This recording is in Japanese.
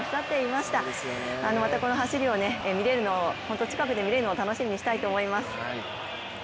また、この走りを近くで見れるのを楽しみにしたいと思います。